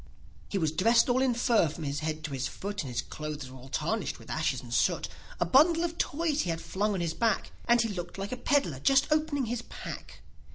e was dressed all in fur, from his head to his foot, And his clothes were all tarnished with ashes and soot; A bundle of Toys he had flung on his back, And he looked like a peddler just opening his pack.